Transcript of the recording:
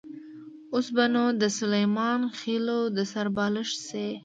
اوس به نو د سلیمان خېلو د سر بالښت شي.